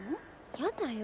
やだよ。